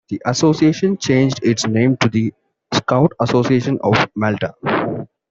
The association changed its name to The Scout Association of Malta.